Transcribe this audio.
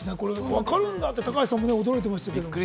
分かるんだって、高橋さんも驚いてました。